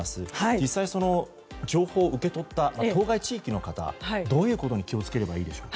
実際、その情報を受け取った当該地域の方、どういうことに気を付ければいいでしょう？